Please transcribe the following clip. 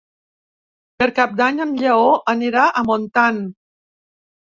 Per Cap d'Any en Lleó anirà a Montant.